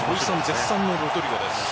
絶賛のロドリゴです。